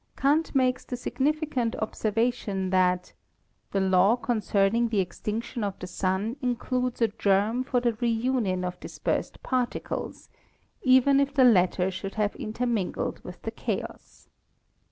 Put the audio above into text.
Kant makes the significant observation that "the law concerning the extinction of the Sun includes a germ for the reunion of dispersed particles, even if the latter should have intermingled with the chaos."